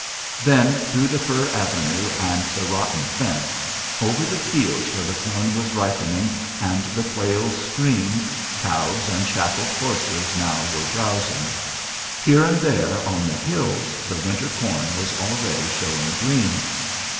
Then through the fir avenue and the rotten fence. ...Over the fields where the corn was ripening and the quails screamed, cows and shackled horses now were browsing. Here and there on the hills the winter corn was already showing green.